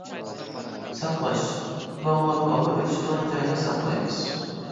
ساقلاش باغلاپ، ھاۋا ئۆتۈشىدىغان جايدا ساقلايمىز.